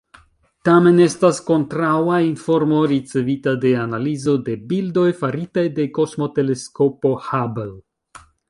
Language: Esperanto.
Tamen estas kontraŭa informo, ricevita de analizo de bildoj faritaj de Kosmoteleskopo Hubble.